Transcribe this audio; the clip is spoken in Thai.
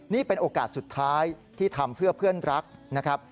นี่เป็นโอกาสสุดท้ายที่ทำเพื่อเพื่อนรักนะครับ